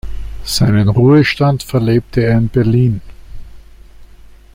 Seinen Ruhestand verlebte er in Berlin.